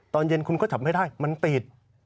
ตอนเย็นคุณก็จับไม่ได้มันติด